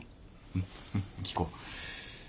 うんうん聞こう。